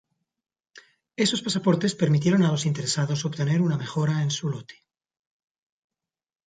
Esos pasaportes permitieron a los interesados obtener una mejora en su lote.